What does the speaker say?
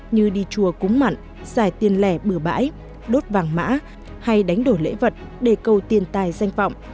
như đi chùa cúng mặn giải tiền lẻ bừa bãi đốt vàng mã hay đánh đổi lễ vật để cầu tiền tài danh vọng